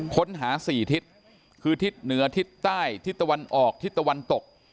ค้นหา๔ทิศคือทิศเหนือทิศใต้ทิศตะวันออกทิศตะวันตก